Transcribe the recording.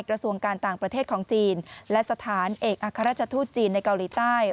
กระทรวงการต่างประเทศของจีนและสถานเอกอัครราชทูตจีนในเกาหลีใต้